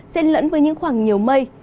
sẽ lẫn với những khoảng nhiều mây